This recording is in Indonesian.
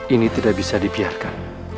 ini tidak bisa dibiarkan